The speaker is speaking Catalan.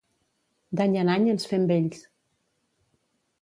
D'any en any ens fem vells.